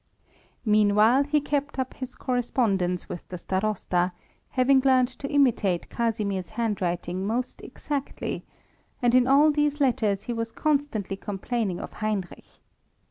Meanwhile he kept up his correspondence with the Starosta, having learnt to imitate Casimir's handwriting most exactly, and in all these letters he was constantly complaining of Heinrich.